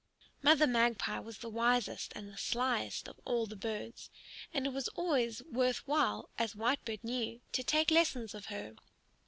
Mother Magpie was the wisest and the slyest of all the birds, and it was always worth while, as Whitebird knew, to take lessons of her.